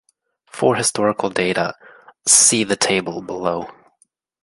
For historical data, see the table below.